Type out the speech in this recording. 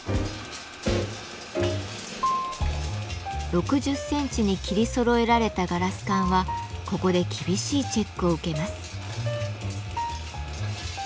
６０センチに切りそろえられたガラス管はここで厳しいチェックを受けます。